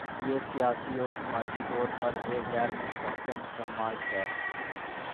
یہ سیاسی اور سماجی طور پر ایک غیر مستحکم سماج ہے۔